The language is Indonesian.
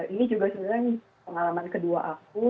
ini juga sebenarnya pengalaman kedua aku